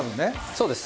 そうです。